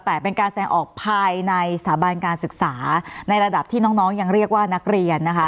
แต่เป็นการแสดงออกภายในสถาบันการศึกษาในระดับที่น้องยังเรียกว่านักเรียนนะคะ